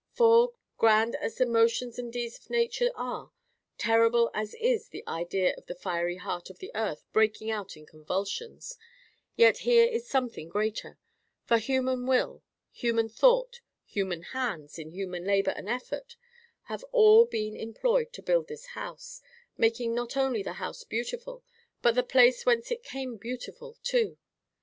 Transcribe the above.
For, grand as the motions and deeds of Nature are, terrible as is the idea of the fiery heart of the earth breaking out in convulsions, yet here is something greater; for human will, human thought, human hands in human labour and effort, have all been employed to build this house, making not only the house beautiful, but the place whence it came beautiful too.